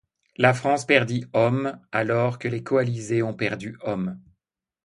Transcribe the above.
La France perdit hommes, alors que les coalisés ont perdu hommes.